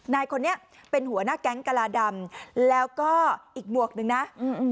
นายคนนี้เป็นหัวหน้าแก๊งกลาดำแล้วก็อีกหมวกหนึ่งนะอืม